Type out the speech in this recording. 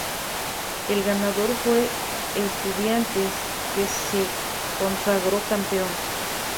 El ganador fue Estudiantes, que se consagró campeón.